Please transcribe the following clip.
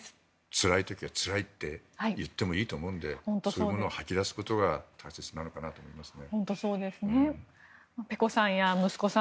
つらい時はつらいって言ってもいいと思うのでそういうものを吐き出すことが大切なのかなと思いますね。